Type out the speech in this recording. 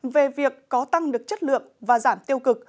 về việc có tăng được chất lượng và giảm tiêu cực